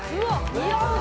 似合うな。